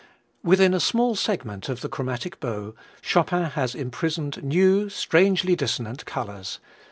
Within a small segment of the chromatic bow Chopin has imprisoned new, strangely dissonant colors.